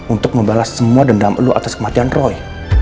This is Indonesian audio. untuk membalas semua dendam lu atas kematian roy